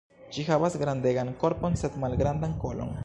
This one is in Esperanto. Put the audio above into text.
Ĝi havas grandegan korpon sed malgrandan kolon.